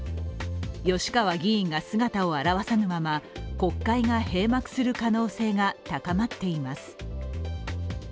吉川議員が姿を現さぬまま、国会が閉幕する可能性が高まっています。